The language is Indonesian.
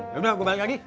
yaudah gue balik lagi